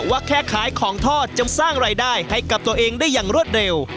ว่าแค่ขายของทอดจนสร้างรายได้ให้กับตัวเองได้อย่างรวดเร็ว